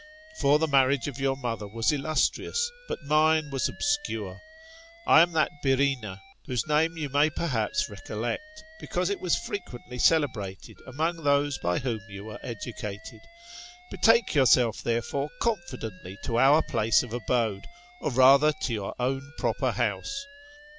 For the marriage of your mother was illustrious, but mine was obscure. I am that Byrrhsena, whose name you may perhaps recollect, because it was frequently celebrated among those by whom you were educated. Betake yourself therefore confidently to our place of abode, or rather to your own proper house.